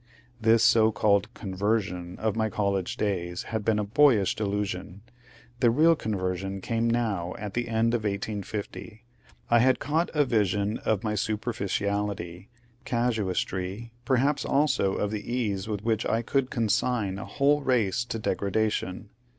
The so called '^conversion" of my college days had been a boyish delusion ; the real conversion came now at the end of 1850. I had caught a vision of my superficiality, casuistry, perhaps also of the ease with which I could consign a whole race to degradation.